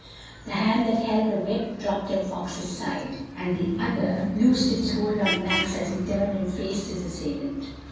The hand that held the whip dropped at Fox's side, and the other loosed its hold on Max as he turned and faced his assailant.